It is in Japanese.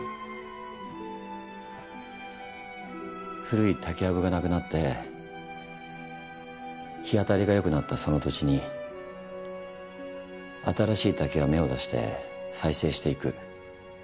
古い竹やぶがなくなって日当たりが良くなったその土地に新しい竹が芽を出して再生していく。